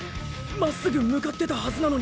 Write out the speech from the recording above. まっすぐ向かってたはずなのに！！